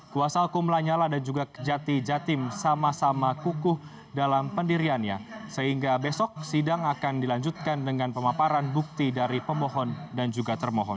kuasa hukum lanyala dan juga kejati jatim sama sama kukuh dalam pendiriannya sehingga besok sidang akan dilanjutkan dengan pemaparan bukti dari pemohon dan juga termohon